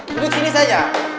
duduk sini saja